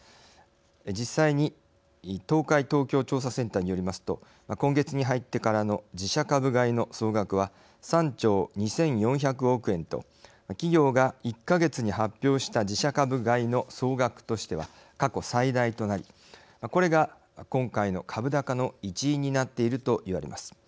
実際に、東海東京調査センターによりますと、今月に入ってからの自社株買いの総額は３兆２４００億円と企業が１か月に発表した自社株買いの総額としては過去最大となりこれが今回の株高の一因になっていると言われます。